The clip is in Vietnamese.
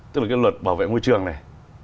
tức là cái luật bảo vệ môi trường này